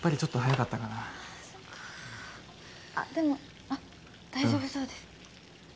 そっかあっでもあっ大丈夫そうです